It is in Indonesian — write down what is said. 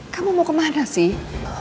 kamu mau kemana sih